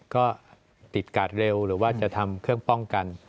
ก็ติดกาดเร็วหรือว่าจะทำเครื่องป้องกัน